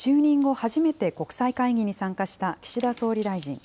初めて国際会議に参加した岸田総理大臣。